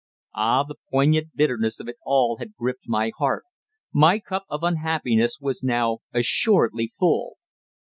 Ah! The poignant bitterness of it all had gripped my heart. My cup of unhappiness was now assuredly full.